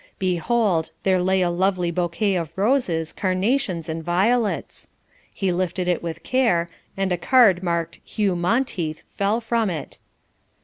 Behold, there lay a lovely bouquet of roses, carnations, and violets. He lifted it with care, and a card marked "Hugh Monteith" fell from it.